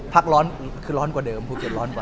ร้อนคือร้อนกว่าเดิมภูเก็ตร้อนกว่า